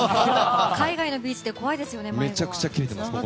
海外のビーチで迷子は怖いですね。